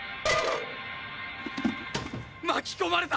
巻き込まれた！